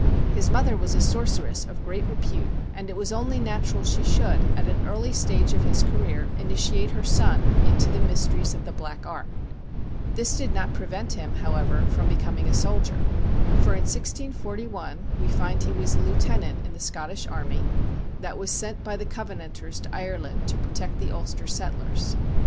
His mother was a sorceress of great repute, and it was only natural she should, at an early stage of his career, initiate her son into the mysteries of the black art. This did not prevent him, however, from becoming a soldier, for in 1641 we find he was a lieutenant in the Scottish army that was THE STRANGE STORY OF MAJOR WEIR 3 sent by the Covenanters to Ireland to protect the Ulster settlers.